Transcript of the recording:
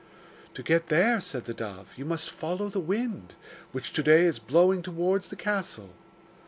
'To get there,' said the dove, 'you must follow the wind, which to day is blowing towards the castle.